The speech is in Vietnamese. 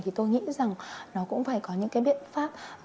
thì tôi nghĩ rằng nó cũng phải có những cái biện pháp